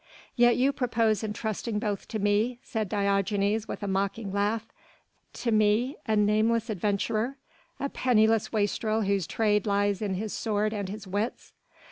"Yet you propose entrusting both to me," said Diogenes with a mocking laugh, "to me, a nameless adventurer, a penniless wastrel whose trade lies in his sword and his wits."